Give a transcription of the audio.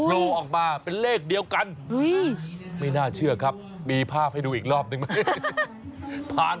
โลออกมาเป็นเลขเดียวกันไม่น่าเชื่อครับมีภาพให้ดูอีกรอบหนึ่งไหม